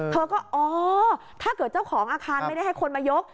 เธอก็อ๋อถ้าเกิดเจ้าของอาคารไม่ได้ให้คนมายก